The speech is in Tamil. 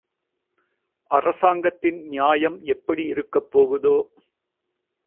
அரசாங்கத்தின் நியாயம் எப்படி இருக்கப்போகுதோ..?